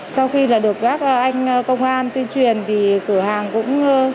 sau khi là được các anh công an tuyên truyền thì cửa hàng cũng